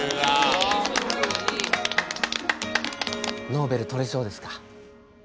ノーベル取れそうですか。